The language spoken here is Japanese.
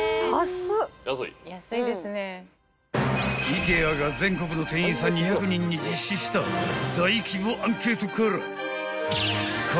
［ＩＫＥＡが全国の店員さん２００人に実施した大規模アンケートから］